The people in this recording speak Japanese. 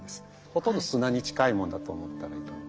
ほとんど砂に近いものだと思ったらいいと思う。